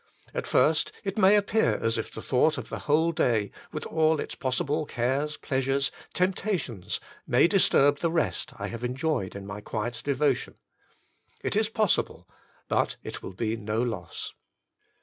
At first it may appear as if the thought of the whole day, with all its possible cares, pleasures, temptations, may disturb the rest I have enjoyed in my quiet devotion. It is possible; but it will be no loss.